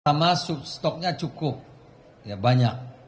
sama stoknya cukup ya banyak